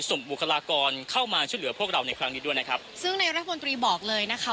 บุคลากรเข้ามาช่วยเหลือพวกเราในครั้งนี้ด้วยนะครับซึ่งในรัฐมนตรีบอกเลยนะคะ